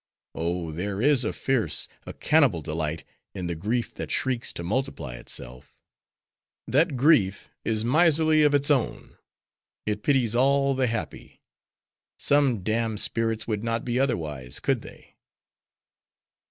Oh! there is a fierce, a cannibal delight, in the grief that shrieks to multiply itself. That grief is miserly of its own; it pities all the happy. Some damned spirits would not be otherwise, could they.